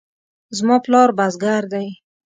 زما پلار بزګر دی